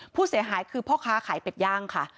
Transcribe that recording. ผู้เสียหายคือพ่อค้าขายเป็ดย่างค่ะ